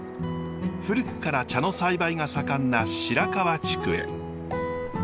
古くから茶の栽培が盛んな白川地区へ。